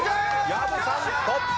薮さんトップ。